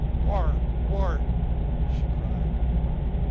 war! war!_" she cried.